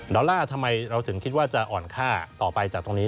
อลลาร์ทำไมเราถึงคิดว่าจะอ่อนค่าต่อไปจากตรงนี้